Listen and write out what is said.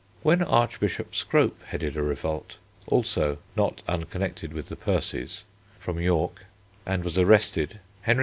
When Archbishop Scrope headed a revolt, also not unconnected with the Percies, from York and was arrested, Henry IV.